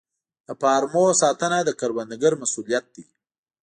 د فارمونو ساتنه د کروندګر مسوولیت دی.